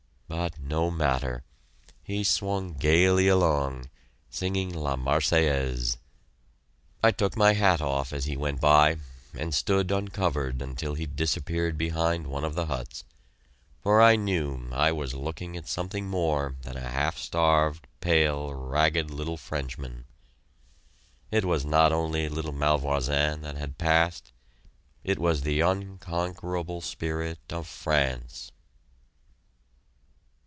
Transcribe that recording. But no matter he swung gaily along, singing "La Marseillaise." I took my hat off as he went by, and stood uncovered until he disappeared behind one of the huts, for I knew I was looking at something more than a half starved, pale, ragged little Frenchman. It was not only little Malvoisin that had passed; it was the unconquerable spirit of France!